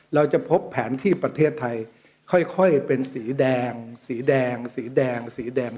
เราจะพบแผนที่ประเทศไทยค่อยเป็นสีแดงสีแดงสีแดงสีแดง